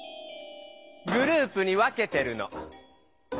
グループに分けてるの。